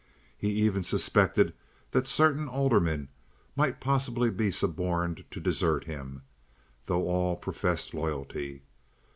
He even suspected that certain aldermen might possibly be suborned to desert him, though all professed loyalty.